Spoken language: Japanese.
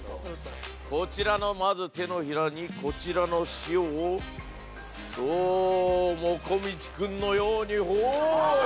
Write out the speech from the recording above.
こちらのまず手のひらにこちらの塩をそうもこみち君のようにほい！